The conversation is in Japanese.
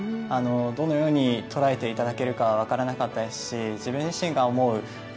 どのようにとらえていただけるか分からなかったですし自分自身が思う